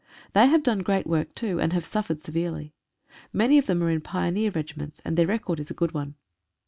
They have done great work too, and have suf fered severely. Many of them are in pioneer regiments, and their record is a good one.